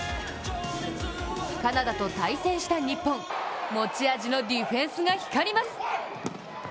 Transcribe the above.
カナダと対戦した日本、持ち味のディフェンスが光ります。